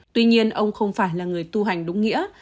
tuy nhiên ông không phải là người tu hành đúng nghĩa